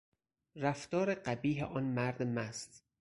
رفتار قبیح آن مرد مست